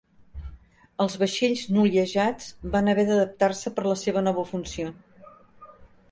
Els vaixells noliejats van haver d'adaptar-se per la seva nova funció.